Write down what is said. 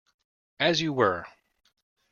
As you were!